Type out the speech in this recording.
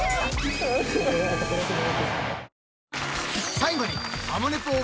［最後に］